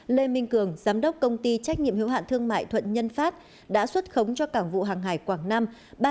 lê minh cường giám đốc công ty trách nhiệm hiếu hạn thương mại thuận nhân pháp đã xuất khống cho cảng vụ hàng hải quảng nam